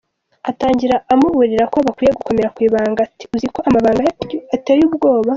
Atangira amuburira ko bakwiye gukomera ku ibanga ati “uziko amabanga yanyu ateye ubwoba?